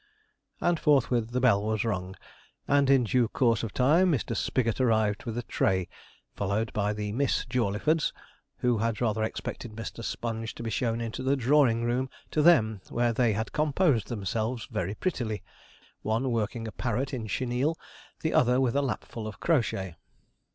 And forthwith the bell was rung, and in due course of time Mr. Spigot arrived with a tray, followed by the Miss Jawleyfords, who had rather expected Mr. Sponge to be shown into the drawing room to them, where they had composed themselves very prettily; one working a parrot in chenille, the other with a lapful of crochet.